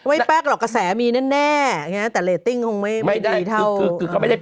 ไอ้แป๊กเหรอกระแสมีเนี้ยแต่ละเอ้ดติ้งคงไม่ได้เขาไม่ได้